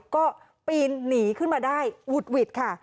ก็ปีนหนีขึ้นมาได้วุดค่ะ